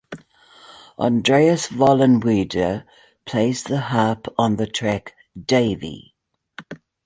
Andreas Vollenweider plays the harp on the track "Davy".